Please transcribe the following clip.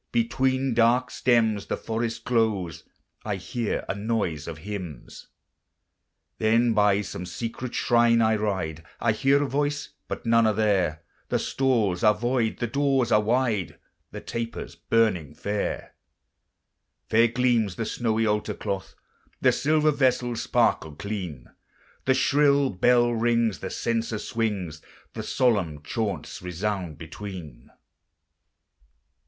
Between dark stems the forest glows, I hear a noise of hymns: Then by some secret shrine I ride; I hear a voice, but none are there; The stalls are void, the doors are wide, The tapers burning fair. Fair gleams the snowy altar cloth, The silver vessels sparkle clean, The shrill bell rings, the censer swings, And solemn chaunts resound between.